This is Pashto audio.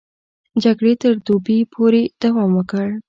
جګړې تر دوبي پورې دوام وکړ.